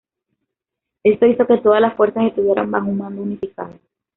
Esto hizo que todas las fuerzas estuvieran bajo un mando unificado.